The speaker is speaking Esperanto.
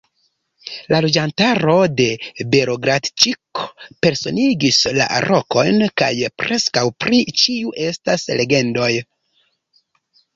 La loĝantaro de Belogradĉik personigis la rokojn, kaj preskaŭ pri ĉiu estas legendoj.